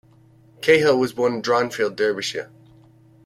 Cahill was born in Dronfield, Derbyshire.